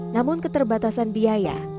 namun keterbatasan biaya